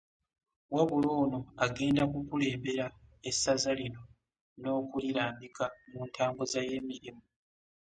Wabula ono agenda kukulembera essaza lino n'okulirambika mu ntambuza y'emirimu.